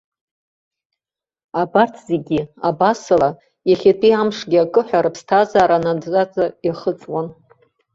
Абарҭ зегьы, абасала, иахьатәи амшгьы акы ҳәа рыԥсҭазаара наӡаӡа иахыҵуан.